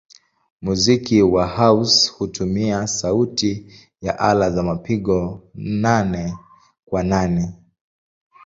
Muziki wa house hutumia sauti ya ala za mapigo nane-kwa-nane.